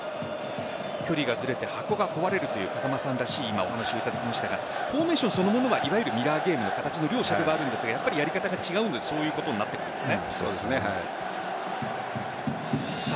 距離がずれて箱が壊れるという風間さんらしいお話をいただきましたがフォーメーションそのものはミラーゲームの形の両者ではあるんですがやり方が違うのでそういうことになってくるんですね。